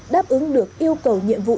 đáp ứng được yêu cầu nhiệm vụ